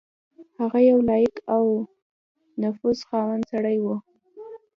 هغه یو لایق او د نفوذ خاوند سړی وو.